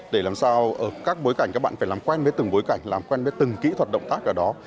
để làm sao các bối cảnh các bạn phải làm quen với từng bối cảnh làm quen biết từng kỹ thuật động tác ở đó